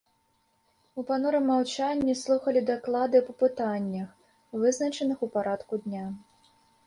У панурым маўчанні слухалі даклады па пытаннях, вызначаных у парадку дня.